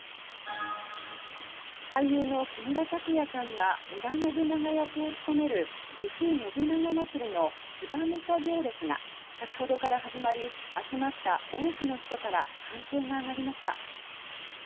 俳優の木村拓哉さんが織田信長役を務めるぎふ信長まつりの騎馬武者行列が先ほどから始まり集まった多くの人から歓声が上がりました。